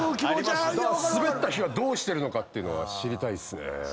スベった日はどうしてるのかっていうのは知りたいっすね。